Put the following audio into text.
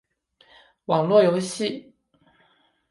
网络游戏